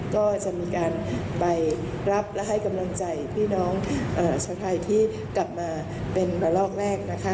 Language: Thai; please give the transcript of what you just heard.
ก็จะมีการไปรับและให้กำลังใจพี่น้องชาวไทยที่กลับมาเป็นระลอกแรกนะคะ